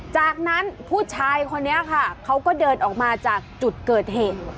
จากนั้นผู้ชายคนนี้ค่ะเขาก็เดินออกมาจากจุดเกิดเหตุ